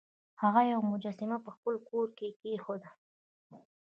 هغه یوه مجسمه په خپل کور کې کیښوده.